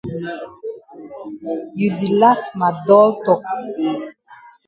You di laf ma dull tok.